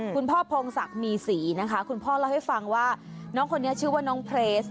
คุณพ่อพงศักดิ์มีศรีนะคะคุณพ่อเล่าให้ฟังว่าน้องคนนี้ชื่อว่าน้องเพลส